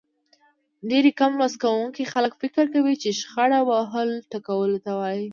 ډېری کم لوست کوونکي خلک فکر کوي چې شخړه وهلو ټکولو ته وايي.